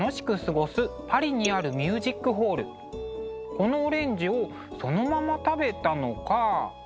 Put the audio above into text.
このオレンジをそのまま食べたのか。